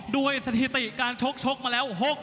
ด้วยสถิติการชกมาแล้ว